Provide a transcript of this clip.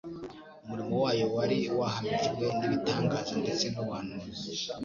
umurimo wayo wari wahamijwe n'ibitangaza ndetse n'ubuhanuzi.